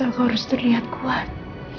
aku harus terlihat kuat